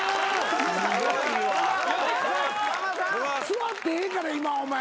座ってええから今お前。